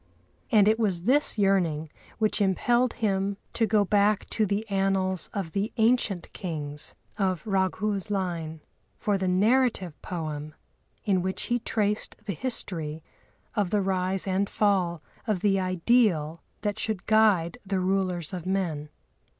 And it was this yearning which impelled him to go back to the annals of the ancient Kings of Raghu's line for the narrative poem, in which he traced the history of the rise and fall of the ideal that should guide the rulers of men.